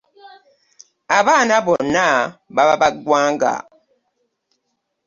Abaana bonna baba ba ggwanga.